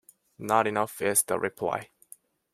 Not enough, is the reply.